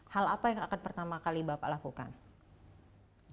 hal apa yang akan pertama kali bapak lakukan